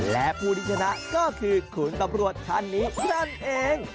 และผู้ที่ชนะก็คือคุณตำรวจท่านนี้นั่นเอง